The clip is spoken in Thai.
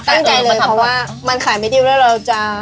ตั้งใจมาถามว่ามันขายไม่ดีแล้วเราจะ